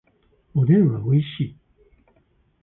おでんはおいしい